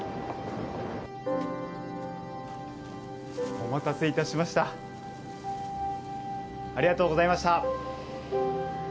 お待たせいたしましたありがとうございました